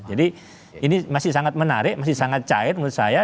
jadi ini masih sangat menarik masih sangat cair menurut saya